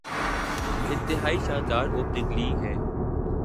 انتہائی شاندار اوپننگ لی ہے۔